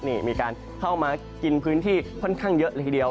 นี่มีการเข้ามากินพื้นที่ค่อนข้างเยอะเลยทีเดียว